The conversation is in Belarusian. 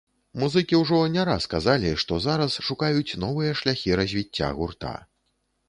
Музыкі ўжо не раз казалі, што зараз шукаюць новыя шляхі развіцця гурта.